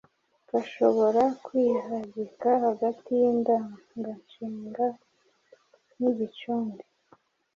gashobora kwihagika hagati y’indanganshinga n’igicumbi.